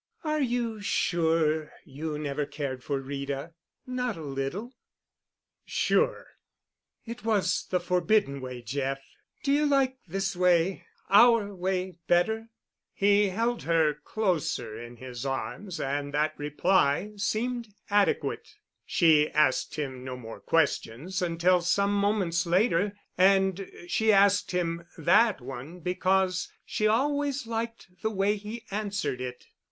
"Are you sure you never cared for Rita? Not a little?" "Sure." "It was the Forbidden Way, Jeff. Do you like this way—our way—better?" He held her closer in his arms and that reply seemed adequate. She asked him no more questions until some moments later, and she asked him that one because she always liked the way he answered it.